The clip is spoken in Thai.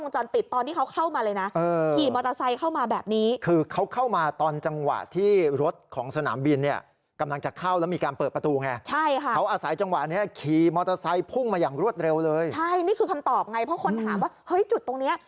ใช่นี่คือคำตอบไงเพราะคนถามว่าเฮ้ยจุดตรงเนี้ย